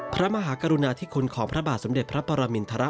พระมหากรุณาธิคุณของพระบาทสมเด็จพระปรมินทร